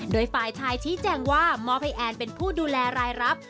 โดยฝ่ายชายชี้แจงว่ามอบให้แอนเป็นผู้ดูแลรายรับ